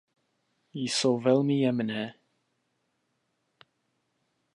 Jsou velmi jemné.